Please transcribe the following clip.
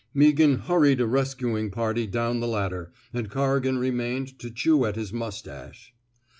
Meaghan hurried a rescuing party down the ladder, and Corrigan remained to chew at his mustache.